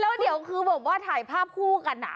แล้วเดี๋ยวคือแบบว่าถ่ายภาพคู่กัน